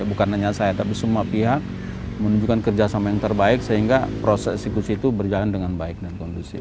bukan hanya saya tapi semua pihak menunjukkan kerjasama yang terbaik sehingga proses eksekusi itu berjalan dengan baik dan kondusif